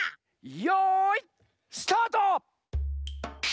よいスタート！